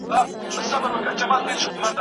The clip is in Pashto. پوهه ستاسو ارزښت دی.